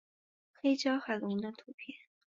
黑胶海龙的图片